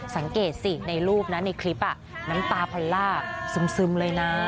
สังเกตสิในรูปนะในคลิปน้ำตาพันล่าซึมเลยนะ